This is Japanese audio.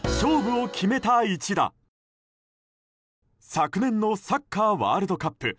昨年のサッカーワールドカップ。